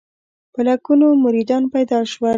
په لکونو مریدان پیدا کړل.